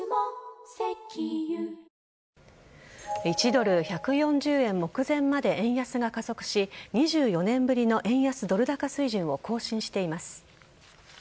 １ドル１４０円目前まで円安が加速し２４年ぶりの円安ドル高水準を更新しています。